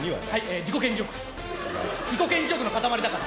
自己顕示欲の塊だから。